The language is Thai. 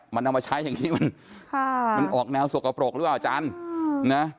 มันเอามาใช้อย่างนี้มันออกแนวสกปรกหรือเปล่าอาจารย์นะ